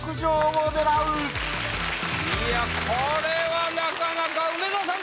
いやこれはなかなか梅沢さん